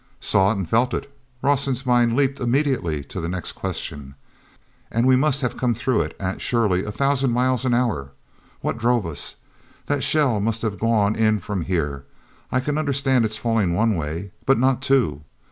"Saw it and felt it!" Rawson's mind leaped immediately to the next question. "And we must have come through it at, surely, a thousand miles an hour. What drove us? That shell must have gone in from here. I can understand its falling one way, but not two.